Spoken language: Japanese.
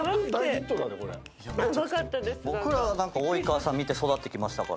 僕らは及川さん見て育ってきましたから。